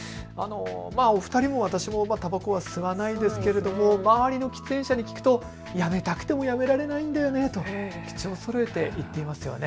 お二人も私もたばこは吸わないですけれども周りの喫煙者に聞くとやめたくてもやめられないんだよねと口をそろえて言っていますよね。